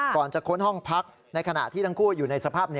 ก่อนจะค้นห้องพักในขณะที่ทั้งคู่อยู่ในสภาพนี้